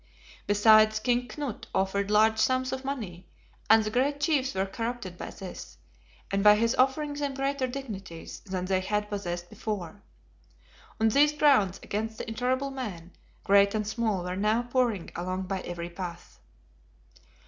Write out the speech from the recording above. Besides, King Knut offered large sums of money, and the great chiefs were corrupted by this, and by his offering them greater dignities than they had possessed before." On these grounds, against the intolerable man, great and small were now pouring along by every path.